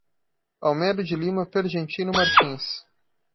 Almerio de Lima Pergentino Martins